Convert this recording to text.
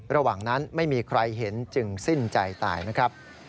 ระหว่างนั้นไม่มีใครเห็นจึงสิ้นใจตายนะครับ